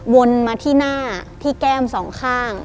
วนมาที่หน้าที่แก้มสองข้าง